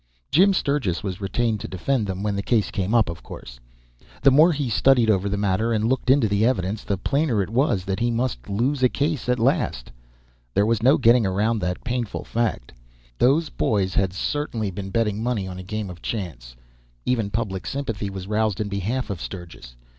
Jim Sturgis was retained to defend them when the case came up, of course. The more he studied over the matter, and looked into the evidence, the plainer it was that he must lose a case at last there was no getting around that painful fact. Those boys had certainly been betting money on a game of chance. Even public sympathy was roused in behalf of Sturgis.